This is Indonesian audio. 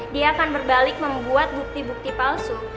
dia akan berbalik membuat bukti bukti palsu